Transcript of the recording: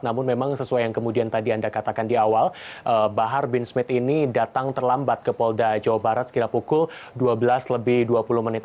namun memang sesuai yang kemudian tadi anda katakan di awal bahar bin smith ini datang terlambat ke polda jawa barat sekira pukul dua belas lebih dua puluh menit